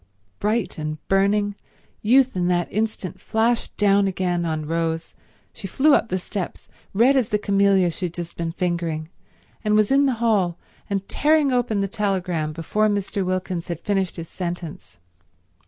Bright and burning, Youth in that instant flashed down again on Rose. She flew up the steps, red as the camellia she had just been fingering, and was in the hall and tearing open the telegram before Mr. Wilkins had finished his sentence.